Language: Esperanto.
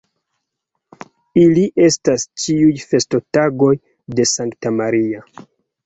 Ili estas ĉiuj festotagoj de Sankta Maria.